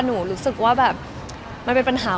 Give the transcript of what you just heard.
รู้สึกว่าแบบมันเป็นปัญหา